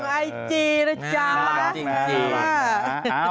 ไอจีนะจ๊ะ